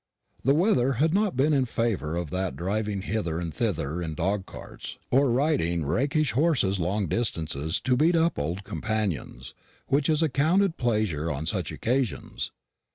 The weather had not been in favour of that driving hither and thither in dog carts, or riding rakish horses long distances to beat up old companions, which is accounted pleasure on such occasions.